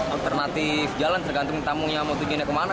alternatif jalan tergantung tamunya mau tujuannya kemana